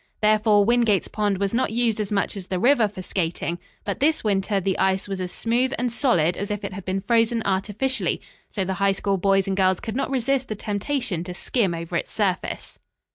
Therefore, Wingate's Pond was not used as much as the river for skating; but this winter the ice was as smooth and solid as if it had been frozen artificially, so the High School boys and girls could not resist the temptation to skim over its surface.